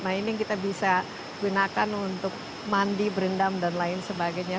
nah ini yang kita bisa gunakan untuk mandi berendam dan lain sebagainya